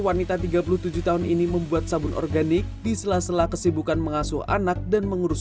wanita tiga puluh tujuh tahun ini membuat sabun organik di sela sela kesibukan mengasuh anak dan mengurus